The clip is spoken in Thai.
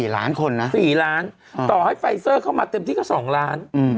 ล้านคนนะ๔ล้านต่อให้ไฟเซอร์เข้ามาเต็มที่ก็๒ล้าน